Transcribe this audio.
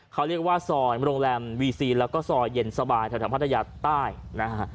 เขาเรียกว่าซอยโรงแรมแล้วก็ซอยเย็นสบายถ้าท่าพัทยาติใต้นะฮะ